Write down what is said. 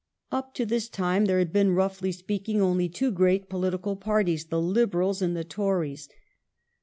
Up to this time there had been, roughly speaking, only two great politi cal parties, the Liberals and the Tories.